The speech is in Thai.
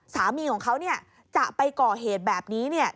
สามีของเขาจะไปก่อเหตุแบบนี้